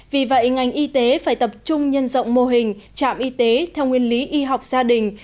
vì vậy ngành y tế phải tập trung nhân rộng mô hình trạm y tế theo nguyên lý y học gia đình